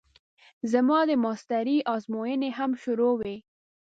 زما د ماسټرۍ ازموينې هم شروع وې.